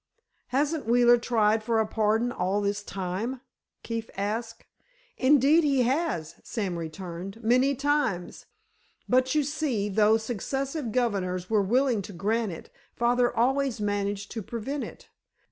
"Hasn't Wheeler tried for a pardon all this time?" Keefe asked. "Indeed he has," Sam returned, "many times. But you see, though successive governors were willing to grant it, father always managed to prevent it.